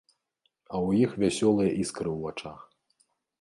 А ў іх вясёлыя іскры ў вачах.